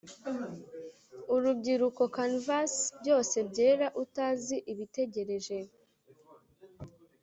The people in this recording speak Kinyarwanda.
urubyiruko canvas byose byera, utazi ibitegereje,